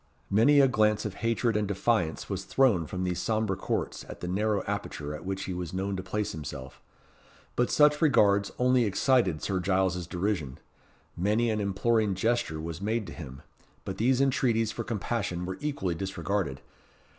Many a glance of hatred and defiance was thrown from these sombre courts at the narrow aperture at which he was known to place himself; but such regards only excited Sir Giles's derision: many an imploring gesture was made to him; but these entreaties for compassion were equally disregarded.